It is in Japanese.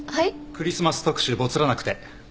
クリスマス特集ボツらなくて。